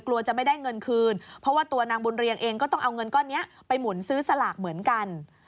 กลัวจะไม่ได้เงินคืนเพราะว่าตัวนางบุญเรียงเองก็ต้องเอาเงินก้อนนี้ไปหมุนซื้อสลากเหมือนกัน